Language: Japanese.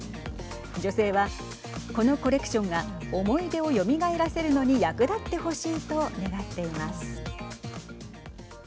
女性は、このコレクションが思い出をよみがえらせるのに役立ってほしいと願っています。